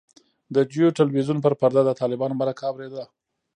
د جیو تلویزیون پر پرده د طالبانو مرکه اورېده.